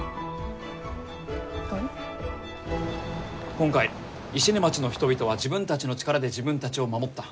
今回石音町の人々は自分たちの力で自分たちを守った。